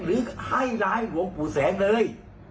ให้ร้ายหลวงปู่แสงเลย